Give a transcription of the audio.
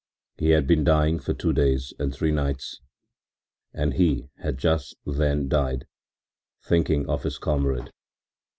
He had been dying for two days and three nights and he had just then died, thinking of his comrade.